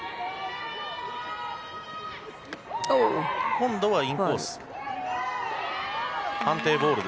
今度はインコース。